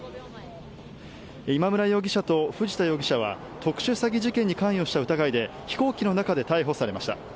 今村容疑者と藤田容疑者は特殊詐欺事件に関与した疑いで飛行機の中で逮捕されました。